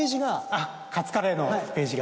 あっカツカレーのページが。